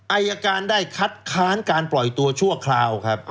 อายการได้คัดค้านการปล่อยตัวชั่วคราวครับ